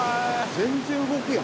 全然動くやん。